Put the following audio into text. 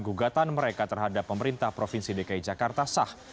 gugatan mereka terhadap pemerintah provinsi dki jakarta sah